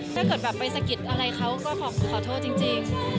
ถ้าเกิดแบบไปสะกิดอะไรเขาก็ขอโทษจริง